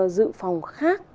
dự phòng khác